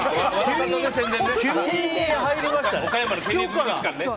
急に宣伝入りましたね。